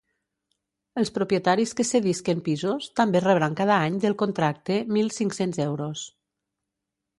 Els propietaris que cedisquen pisos també rebran cada any del contracte mil cinc-cents euros.